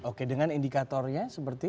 oke dengan indikatornya seperti